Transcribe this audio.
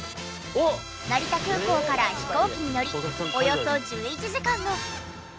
成田空港から飛行機に乗りおよそ１１時間の。